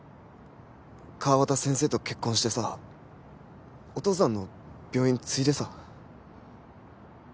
川端先生と結婚してさお父さんの病院継いでさ。